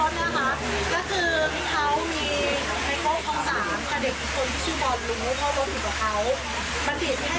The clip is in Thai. เรื่องรถนะครับ